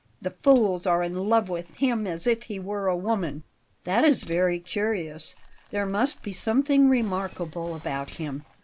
The fools are in love with him as if he were a woman." "That is very curious. There must be something remarkable about him."